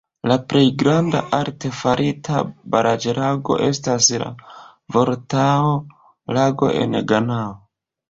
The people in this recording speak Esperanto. La plej granda arte farita baraĵlago estas la Voltao-Lago en Ganao.